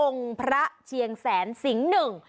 พระเชียงแสนสิงห์หนึ่ง